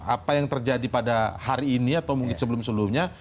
apa yang terjadi pada hari ini atau mungkin sebelum sebelumnya